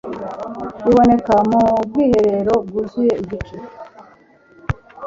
iboneka mu bwiherero, bwuzuye igice